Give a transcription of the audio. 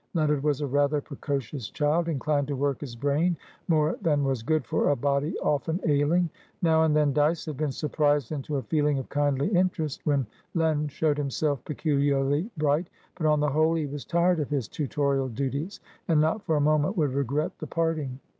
Leonard was a rather precocious child, inclined to work his brain more than was good for a body often ailing. Now and then Dyce had been surprised into a feeling of kindly interest, when Len showed himself peculiarly bright, but on the whole he was tired of his tutorial duties, and not for a moment would regret the parting.